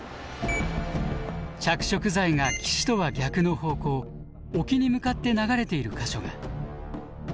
着色剤が岸とは逆の方向沖に向かって流れている箇所が。